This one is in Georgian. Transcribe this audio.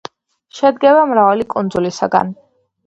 შედგება მრავალი კუნძულისაგან.